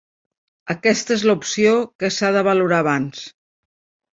Aquesta és l'opció que s'ha de valorar abans.